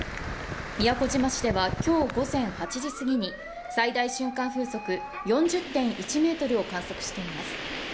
宮古島市では今日午前８時すぎに最大瞬間風速４０．１メートルを観測しています。